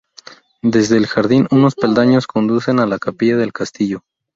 Desde el jardín, unos peldaños conducen a la capilla del castillo.